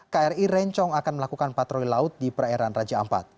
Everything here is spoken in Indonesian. kri rencong akan melakukan patroli laut di perairan raja ampat